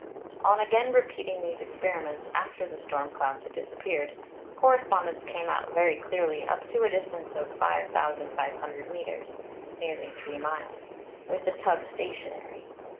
On again repeating these experiments after the storm clouds had disappeared, correspondence came out very clearly up to a distance of 5,500 meters (nearly 3 miles), with the tug stationary.